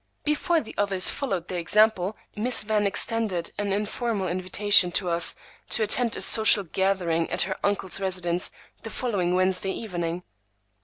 Before the others followed their example, Miss Van extended an informal invitation to us to attend a "social gathering" at her uncle's residence the following Wednesday evening.